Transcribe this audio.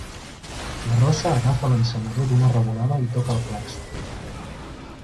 La rossa agafa l'encenedor d'una revolada i toca el clàxon.